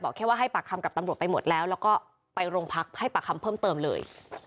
แค่ว่าให้ปากคำกับตำรวจไปหมดแล้วแล้วก็ไปโรงพักให้ปากคำเพิ่มเติมเลย